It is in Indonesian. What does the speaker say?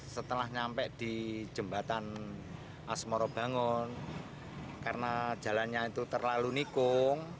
setelah nyampe di jembatan asmoro bangun karena jalannya itu terlalu nikung